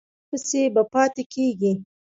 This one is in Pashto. په کار پسې به پاتې کېږې.